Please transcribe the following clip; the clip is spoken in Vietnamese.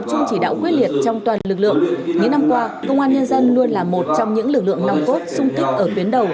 tập trung chỉ đạo quyết liệt trong toàn lực lượng những năm qua công an nhân dân luôn là một trong những lực lượng nòng cốt sung kích ở tuyến đầu